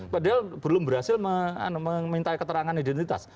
padahal belum berhasil meminta keterangan identitas